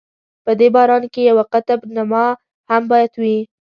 په دې باران کې یوه قطب نما هم باید وي.